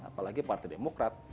apalagi partai demokrat